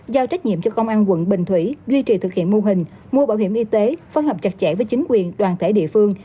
giao trách nhiệm cho công an quận bình thủy duy trì thực hiện mô hình mua bảo hiểm y tế phối hợp chặt chẽ với chính quyền đoàn thể địa phương